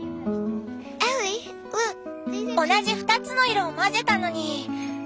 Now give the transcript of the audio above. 同じ２つの色を混ぜたのに。